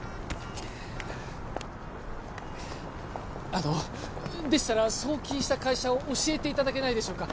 あのでしたら送金した会社を教えていただけないでしょうか？